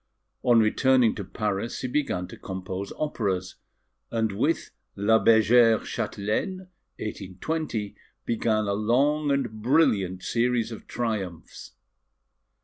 On returning to Paris he began to compose operas; and with La Bergère Châtelaine (1820), began a long and brilliant series of triumphs.